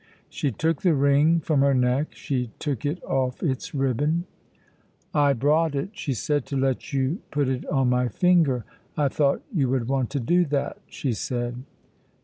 She took the ring from her neck. She took it off its ribbon. "I brought it," she said, "to let you put it on my finger. I thought you would want to do that," she said.